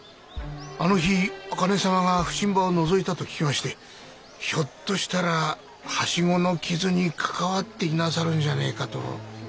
あの日赤根様が普請場をのぞいたと聞きましてひょっとしたらハシゴの傷に関わっていなさるんじゃねえかと。